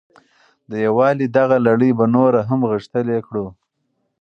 د یووالي دغه لړۍ به نوره هم غښتلې کړو.